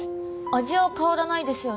味は変わらないですよね？